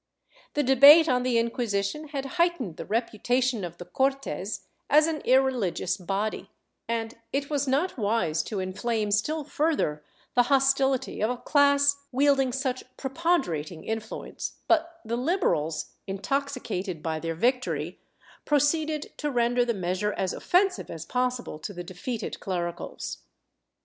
^ The debate on the Inquisition had heightened the reputation of the Cortes as an irreligious body, and it was not wise to inflame still further the hostility of a class wielding such preponderating influence, but the Liberals, intoxicated by their victory, proceeded to render the measure as offensive as possible to the defeated clericals.